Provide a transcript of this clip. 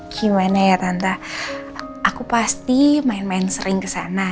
gimana ya tanta aku pasti main main sering ke sana